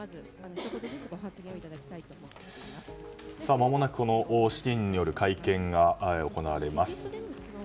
まもなく７人による会見が行われます。